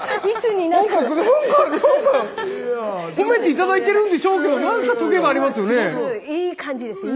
褒めて頂いてるんでしょうけどなんかトゲがありますよね。